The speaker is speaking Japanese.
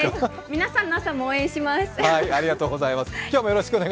皆さんの朝も応援します。